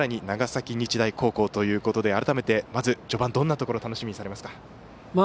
長崎日大高校ということで改めて序盤、どんなところが楽しみですか。